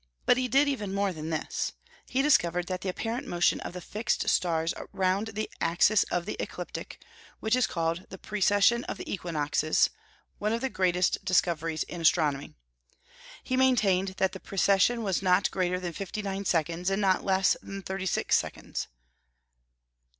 But he did even more than this: he discovered that apparent motion of the fixed stars round the axis of the ecliptic, which is called the Precession of the Equinoxes, one of the greatest discoveries in astronomy. He maintained that the precession was not greater than fifty nine seconds, and not less than thirty six seconds.